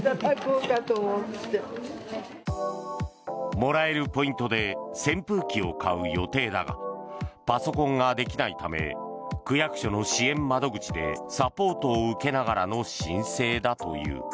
もらえるポイントで扇風機を買う予定だがパソコンができないため区役所の支援窓口でサポートを受けながらの申請だという。